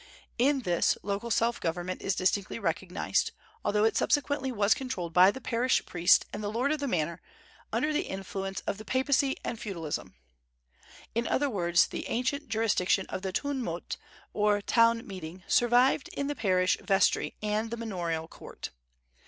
In this, local self government is distinctly recognized, although it subsequently was controlled by the parish priest and the lord of the manor under the influence of the papacy and feudalism; in other words, the ancient jurisdiction of the tun mõt or town meeting survived in the parish vestry and the manorial court.